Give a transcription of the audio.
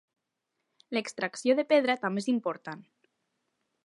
L'extracció de pedra també és important.